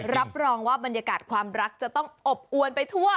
รับรองว่าบรรยากาศความรักจะต้องอบอวนไปทั่ว